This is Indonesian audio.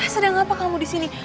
sedang apa kamu di sini